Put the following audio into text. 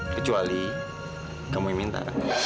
kecuali kamu yang minta